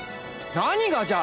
何がじゃ？